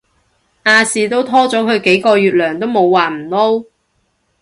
亞視都拖咗佢幾個月糧都冇話唔撈